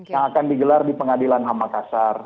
yang akan digelar di pengadilan ham makassar